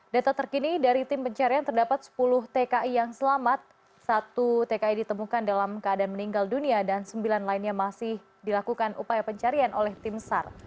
data terkini dari tim pencarian terdapat sepuluh tki yang selamat satu tki ditemukan dalam keadaan meninggal dunia dan sembilan lainnya masih dilakukan upaya pencarian oleh tim sar